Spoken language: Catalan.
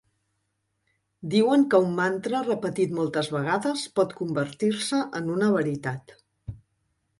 Diuen que un mantra repetit moltes vegades pot convertir-se en una veritat.